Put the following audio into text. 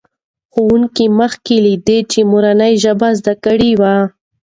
ښوونکي مخکې له دې مورنۍ ژبه زده کړې وه.